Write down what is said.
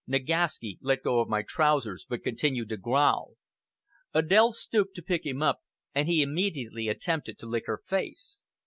Nagaski let go of my trousers, but continued to growl. Adèle stooped to pick him up, and he immediately attempted to lick her face.